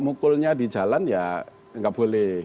mukulnya di jalan ya nggak boleh